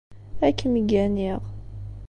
Ad kem-gganiɣ.